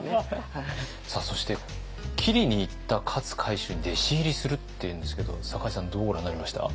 そして斬りにいった勝海舟に弟子入りするっていうんですけど酒井さんどうご覧になりました？